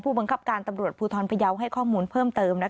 บังคับการตำรวจภูทรพยาวให้ข้อมูลเพิ่มเติม